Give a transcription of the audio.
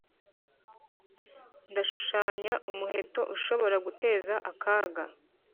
ndashushanya umuheto ushobora guteza akaga?